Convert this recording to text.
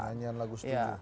hanyan lagu setuju